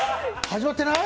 始まってない？